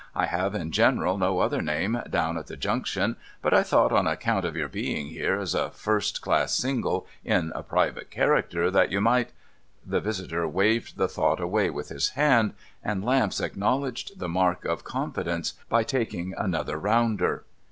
' I have in general no other name down at the Junction ; but I thought, on account of your being here as a first class single, in a private character, that you might ' The visitor waved the thought away with his hand, and Lamps acknowledged the mark of confidence by taking another rounder.